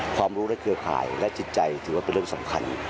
ความรู้และเครือข่ายและจิตใจถือว่าเป็นเรื่องสำคัญ